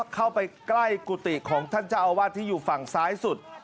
เข้าไปใกล้กุฏิของท่านเจ้าอาวาสที่อยู่ฝั่งซ้ายสุด